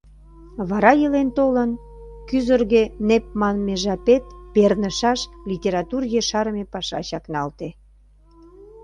Вара, илен-толын, кӱзырге нэп манме жапет пернышаш литератур ешарыме паша чакналте.